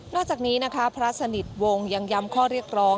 จากนี้นะคะพระสนิทวงศ์ยังย้ำข้อเรียกร้อง